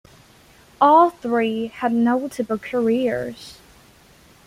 All three had notable careers.